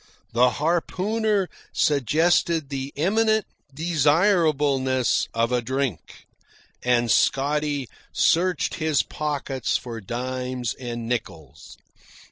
The harpooner suggested the eminent desirableness of a drink, and Scotty searched his pockets for dimes and nickels.